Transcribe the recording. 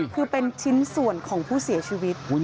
คือเป็นชิ้นส่วนของผู้เสียชีวิต